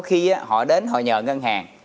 khi họ đến họ nhờ ngân hàng